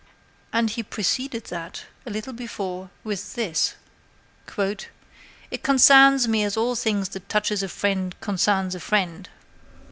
And he preceded that, a little before, with this: "'It consarns me as all things that touches a fri'nd consarns a fri'nd.'"